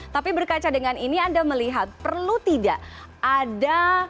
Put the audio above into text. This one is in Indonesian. tapi berkaca dengan ini anda melihat perlu tidak ada